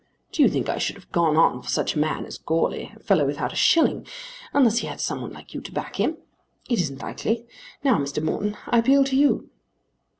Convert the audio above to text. Do you think I should have gone on for such a man as Goarly, a fellow without a shilling, unless he had some one like you to back him? It isn't likely. Now, Mr. Morton, I appeal to you."